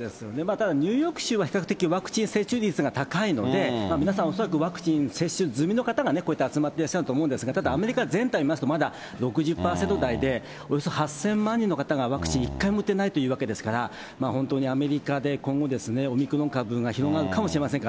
ただニューヨーク州は比較的ワクチン接種率が高いので、皆さん恐らくワクチン接種済みの方がこういって集まってらっしゃると思うんですが、ただアメリカ全体見ますと、まだ６０％台で、およそ８０００万人の方がワクチン一回も打ってないというわけですから、本当にアメリカで今後、オミクロン株が広がるかもしれませんからね。